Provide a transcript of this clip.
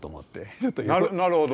なるほど。